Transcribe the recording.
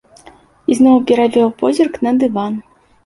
Ізноў перавёў позірк на дыван.